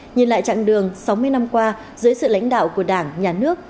nhìn lại chặng đường sáu mươi năm qua dưới sự lãnh đạo của đảng nhà nước